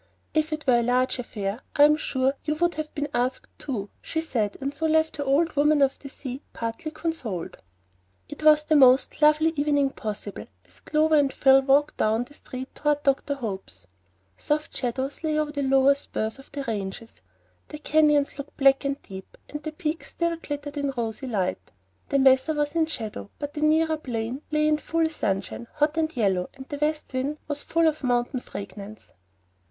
"If it were a large affair, I am sure you would have been asked too," she said, and so left her "old woman of the sea" partly consoled. It was the most lovely evening possible, as Clover and Phil walked down the street toward Dr. Hope's. Soft shadows lay over the lower spurs of the ranges. The canyons looked black and deep, but the peaks still glittered in rosy light. The mesa was in shadow, but the nearer plain lay in full sunshine, hot and yellow, and the west wind was full of mountain fragrance.